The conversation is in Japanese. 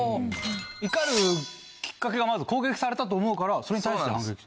怒るきっかけがまず攻撃されたと思うからそれに対して反撃する。